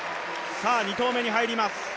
さあ２投目に入ります。